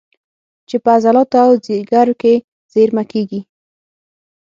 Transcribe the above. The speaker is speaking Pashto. چې په عضلاتو او ځیګر کې زېرمه کېږي